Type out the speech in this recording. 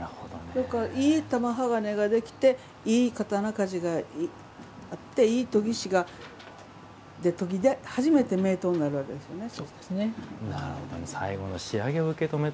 いい玉鋼ができていい刀鍛冶があっていい研ぎ師が研いで初めて名刀になるわけですね。